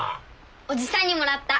おじさんにもらった。